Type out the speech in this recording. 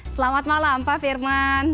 selamat malam pak firman